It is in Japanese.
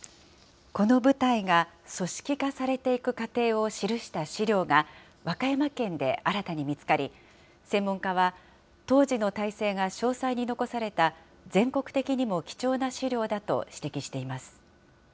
この部隊が組織化されていく過程を記した資料が、和歌山県で新たに見つかり、専門家は当時の態勢が詳細に残された、全国的にも貴重な資料だと指摘しています。